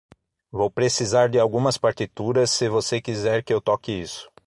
Vou precisar de algumas partituras, se você quiser que eu toque isso.